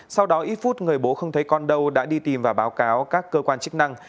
sau đó ít phút người bố không thấy con đâu đã đi tìm và báo cáo các cơ quan chức năng